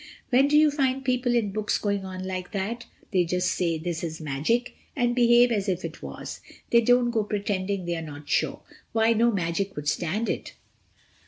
When do you find people in books going on like that? They just say 'This is magic!' and behave as if it was. They don't go pretending they're not sure. Why, no magic would stand it."